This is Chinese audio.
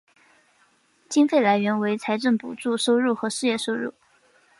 经费来源为财政补助收入和事业收入。